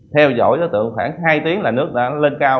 theo dõi đối tượng khoảng hai tiếng là nước đã lên cao